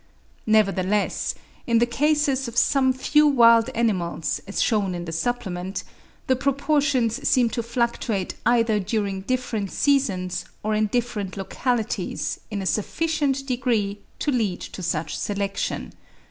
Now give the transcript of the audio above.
Nevertheless, in the cases of some few wild animals, as shewn in the supplement, the proportions seem to fluctuate either during different seasons or in different localities in a sufficient degree to lead to such selection.